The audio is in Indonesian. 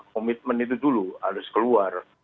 komitmen itu dulu harus keluar